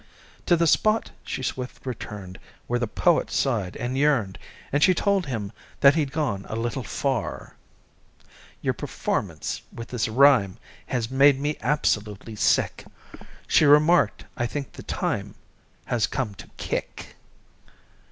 To the spot she swift returned Where the poet sighed and yearned, And she told him that he'd gone a little far. "Your performance with this rhyme has Made me absolutely sick," She remarked. "I think the time has Come to kick!"